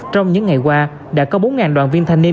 trong những ngày qua đã có bốn đoàn viên thanh niên